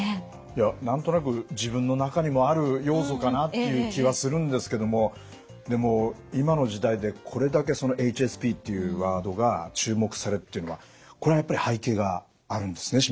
いや何となく自分の中にもある要素かなという気はするんですけどもでも今の時代でこれだけそのＨＳＰっていうワードが注目されるっていうのはこれはやっぱり背景があるんですね？